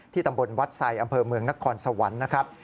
ตำบลวัดไซดอำเภอเมืองนครสวรรค์นะครับ